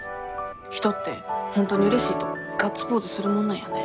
人って本当にうれしいとガッツポーズするもんなんやね。